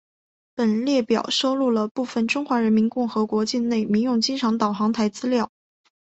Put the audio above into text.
本列表收录了部分中华人民共和国境内民用机场导航台资料。